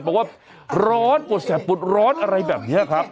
บอกว่าร้อนปวดแสบปวดร้อนอะไรแบบนี้ครับ